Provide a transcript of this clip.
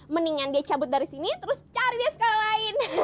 mendingan dia cabut dari sini terus cari dia sekolah lain